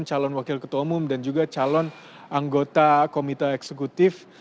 calon wakil ketua umum dan juga calon anggota komite eksekutif